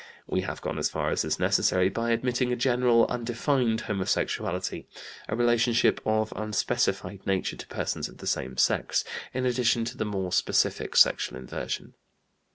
We have gone as far as is necessary by admitting a general undefined homosexuality, a relationship of unspecified nature to persons of the same sex, in addition to the more specific sexual inversion.